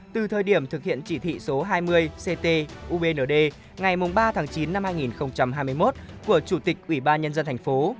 từ thời điểm thực hiện chỉ thị số hai mươi ct ubnd ngày ba tháng chín năm hai nghìn hai mươi một của chủ tịch ủy ban nhân dân thành phố